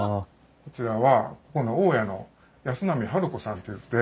こちらはここの大家の安波治子さんっていって。